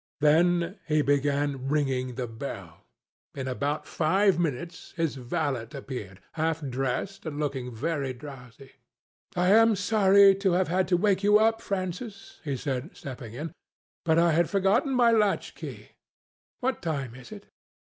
Then he began ringing the bell. In about five minutes his valet appeared, half dressed and looking very drowsy. "I am sorry to have had to wake you up, Francis," he said, stepping in; "but I had forgotten my latch key. What time is it?"